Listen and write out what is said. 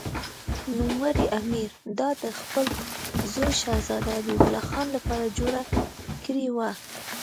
نوموړي امیر دا د خپل زوی شهزاده حبیب الله خان لپاره جوړه کړې وه.